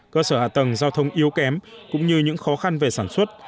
cơ sở hạ tầng giao thông yếu kém cũng như những khó khăn về sản xuất